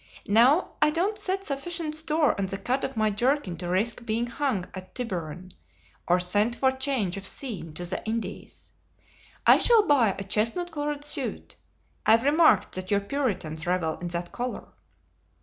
Now, I don't set sufficient store on the cut of my jerkin to risk being hung at Tyburn or sent for change of scene to the Indies. I shall buy a chestnut colored suit. I've remarked that your Puritans revel in that color."